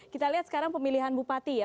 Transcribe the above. kita lihat sekarang pemilihan bupati ya